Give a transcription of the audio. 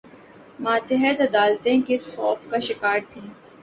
ماتحت عدالتیں کس خوف کا شکار تھیں؟